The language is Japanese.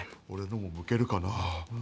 俺のもむけるかな？